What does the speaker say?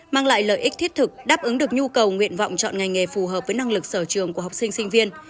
mang lại lợi ích thiết thực đáp ứng được nhu cầu nguyện vọng chọn ngành nghề phù hợp với năng lực sở trường của học sinh sinh viên